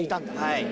はい。